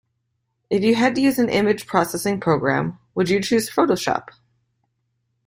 If you had to use an image processing program, would you choose Photoshop?